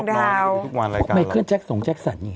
พึ่งไม่เคลื่อนส่งแจ็กซอนงี้